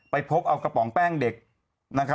พบเอากระป๋องแป้งเด็ก